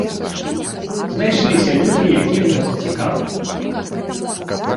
Знайшліся людзі, якім гэта цікава.